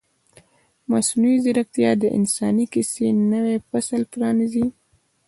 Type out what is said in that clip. مصنوعي ځیرکتیا د انساني کیسې نوی فصل پرانیزي.